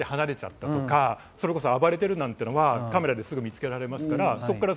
大きな荷物を置いて離れちゃったとか、暴れているなんていうのはカメラですぐ見つけられますから、そこから